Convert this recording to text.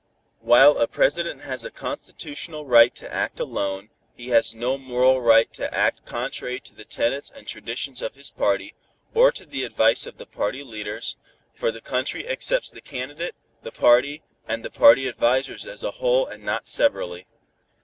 While a president has a constitutional right to act alone, he has no moral right to act contrary to the tenets and traditions of his party, or to the advice of the party leaders, for the country accepts the candidate, the party and the party advisers as a whole and not severally.